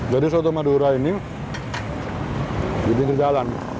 jadi soto madura ini jadi terjalan